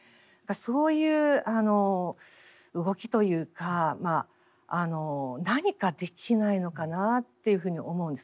そういう動きというか何かできないのかなというふうに思うんですね。